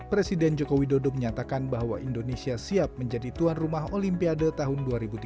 presiden jokowi dodo menyatakan bahwa indonesia siap menjadi tuan rumah olimpiade tahun dua ribu tiga puluh enam